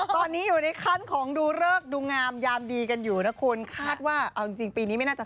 ตอนนี้อยู่ในขั้นของดูเริกดูงามยามดีกันอยู่นะคุณคาดว่าเอาจริงปีนี้ไม่น่าจะ